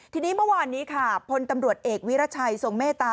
ทีนี้เมื่อวานนี้ค่ะพลตำรวจเอกวิรัชัยทรงเมตตา